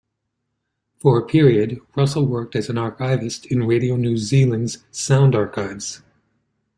For a period Russell worked as an archivist in Radio New Zealand's Sound Archives.